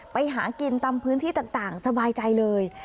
ไปหากินตามพื้นที่ต่างสบายใจเลย